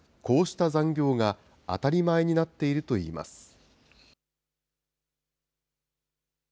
こうした残業が当たり前になっているといいます。